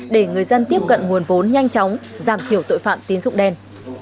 để người dân tiếp cận nguồn vốn nhanh chóng giảm thiểu tội phạm tín dụng đen